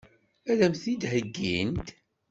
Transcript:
Ad m-tent-id-heggint?